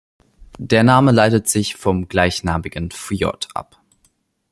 Der Name leitet sich vom gleichnamigen Fjord ab.